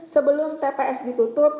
sebelum tps ditutup